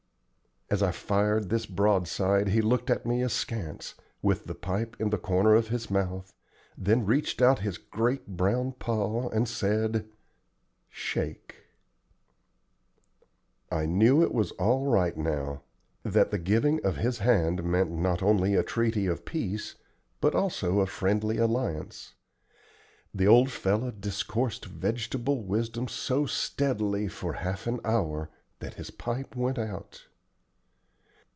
As I fired this broadside he looked at me askance, with the pipe in the corner of his mouth, then reached out his great brown paw, and said, "Shake." I knew it was all right now that the giving of his hand meant not only a treaty of peace but also a friendly alliance. The old fellow discoursed vegetable wisdom so steadily for half an hour that his pipe went out.